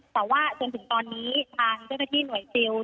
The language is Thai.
แต่ว่าจนถึงตอนนี้ทางเจ้าหน้าที่หน่วยซิล